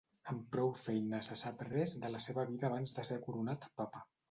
Amb prou feines se sap res de la seva vida abans de ser coronat papa.